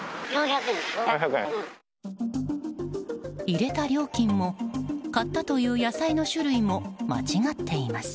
入れた料金も買ったという野菜の種類も間違っています。